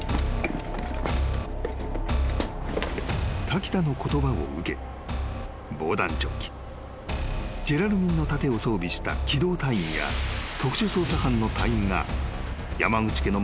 ［滝田の言葉を受け防弾チョッキジュラルミンの盾を装備した機動隊員や特殊捜査班の隊員が山口家の周りを取り囲んだ］